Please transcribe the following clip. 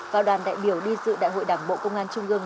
và đoàn đại biểu đi dự đại hội đảng bộ công an trung ương